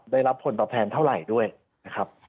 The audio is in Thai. ได้รับผลตอบแทนเท่าไหร่ด้วยนะครับ